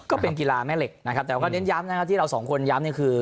ก็เป็นกีฬาแม่เหล็กนะครับแต่ก็เน้นย้ำนะครับที่เราสองคนย้ำเนี่ยคือ